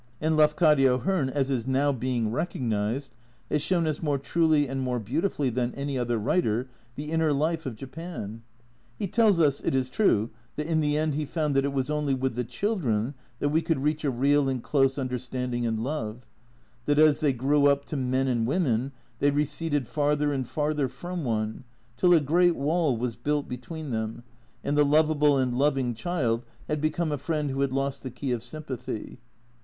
And Lafcadio Hearn, as is now being recognised, has shown us more truly and more beautifully than any other writer the inner life of Japan. He tells us, it is true, that in the end he found that it was only with the children that we could reach a real and close under standing and love, that as they grew up to men and women they receded farther and farther from one, till a great wall was built between them, and the lovable and loving child had become a friend who had lost the key of sympathy.